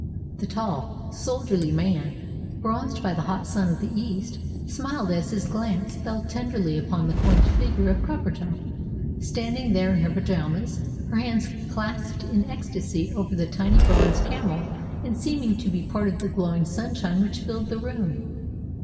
The tall, soldierly man, bronzed by the hot sun of the East, smiled as his glance fell tenderly upon the quaint figure of Coppertop, standing there in her pyjamas, her hands clasped in ecstacy over the tiny bronze camel, and seeming to be part of the glowing sunshine which filled the room.